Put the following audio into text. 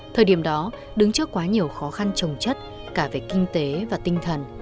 thời điểm đó đứng trước quá nhiều khó khăn trồng chất cả về kinh tế và tinh thần